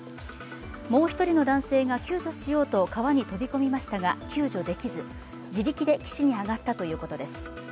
もう１人の男性が救助しようと川に飛び込みましたが救助できず、自力で岸に上がったということです。